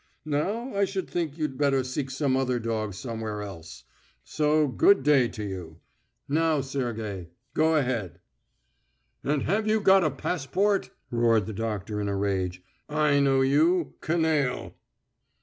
Now, I should think you'd better seek some other dog somewhere else.... So good day to you.... Now, Sergey, go ahead!" "And have you got a passport?" roared the doctor in a rage. "I know you _canaille.